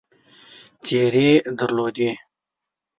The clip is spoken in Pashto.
څېرې درلودې.